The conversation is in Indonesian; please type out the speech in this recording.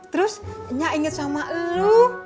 terus nyak inget sama lu